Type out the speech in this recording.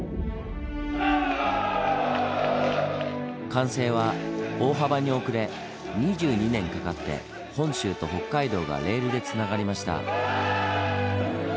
完成は大幅に遅れ２２年かかって本州と北海道がレールでつながりました。